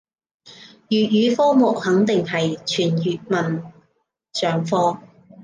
粵語科目肯定係全粵文上課